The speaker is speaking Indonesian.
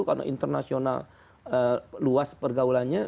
karena internasional luas pergaulannya